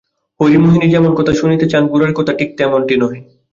হরিমোহিনী যেমন কথা শুনিতে চান গোরার কথা ঠিক তেমনটি নহে।